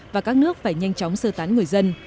và các nước phải nhanh chóng sơ tán người dân